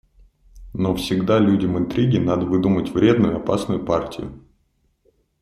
Но всегда людям интриги надо выдумать вредную, опасную партию.